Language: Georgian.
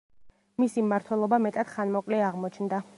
მისი მმართველობა მეტად ხანმოკლე აღმოჩნდა.